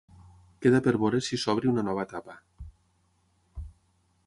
Queda per veure si s’obre una nova etapa.